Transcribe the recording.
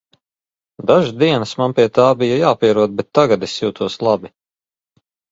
Dažas dienas man pie tā bija jāpierod, bet tagad es jūtos labi.